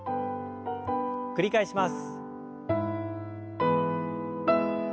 繰り返します。